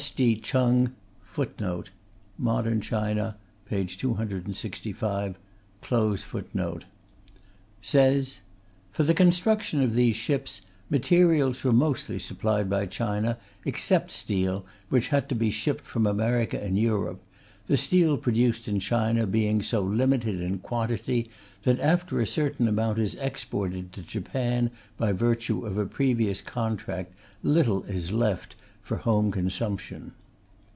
S.G. Cheng says: For the construction of these ships, materials were mostly supplied by China, except steel, which had to be shipped from America and Europe (the steel produced in China being so limited in quantity, that after a certain amount is exported to Japan by virtue of a previous contract, little is left for home consumption).